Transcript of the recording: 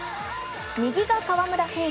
右が川村選手。